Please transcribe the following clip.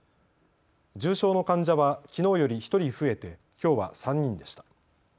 重症の患者はきのうより１人増えてきょうは３人でした。